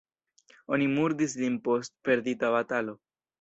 Oni murdis lin post perdita batalo.